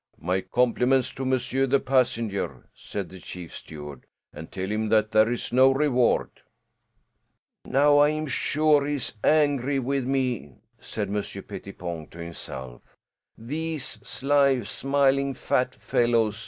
"My compliments to monsieur the passenger," said the chief steward, "and tell him that there is no reward." "Now I am sure he is angry with me," said Monsieur Pettipon to himself. "These sly, smiling, fat fellows!